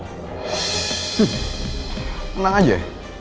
menang aja ya